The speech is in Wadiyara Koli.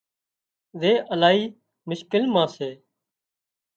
زي الاهي مشڪل مان سي